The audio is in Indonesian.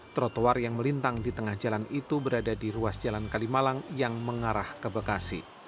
trotoar yang melintang di tengah jalan itu berada di ruas jalan kalimalang yang mengarah ke bekasi